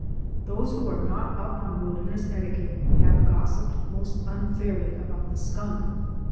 Those who are not up on wilderness etiquette have gossiped most unfairly about the skunk.